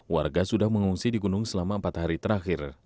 warga sudah mengungsi di gunung selama empat hari terakhir